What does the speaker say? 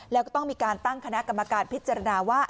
แล้วก็ต้องมีการตั้งคณะกรรมการพิจารณาว่า